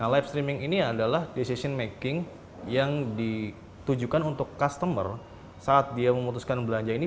live streaming ini adalah decision making yang ditujukan untuk customer saat dia memutuskan belanja ini